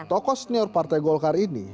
tokoh senior partai golkar ini